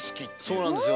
そうなんですよ。